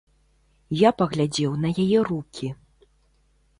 Я паглядзеў на яе рукі.